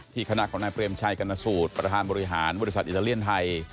คณะของนายเปรมชัยกรณสูตรประธานบริหารบริษัทอิตาเลียนไทย